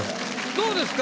どうですか？